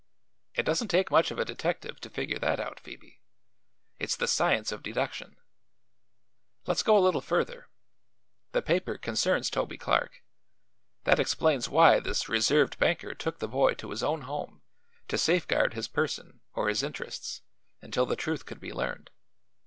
It doesn't take much of a detective to figure that out, Phoebe. It's the science of deduction. Let's go a little further: The paper concerns Toby Clark. That explains why this reserved banker took the boy to his own home, to safeguard his person or his interests until the truth could be learned.